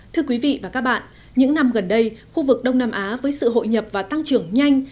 thưa quý vị và các bạn những năm gần đây khu vực đông nam á với sự hội nhập và tăng trưởng nhanh